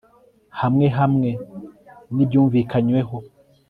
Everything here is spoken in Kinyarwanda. hamwe hamwe n ibyunvikanyweho